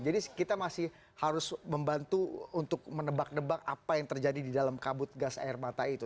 jadi kita masih harus membantu untuk menebak nebak apa yang terjadi di dalam kabut gas air mata itu